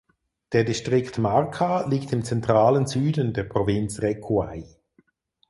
Der Distrikt Marca liegt im zentralen Süden der Provinz Recuay.